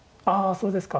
そうですね。